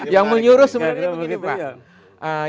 yang menyuruh sebenarnya begini pak